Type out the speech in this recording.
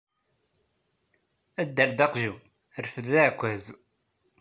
Adder-d aqjun, rfed aɛekkaz.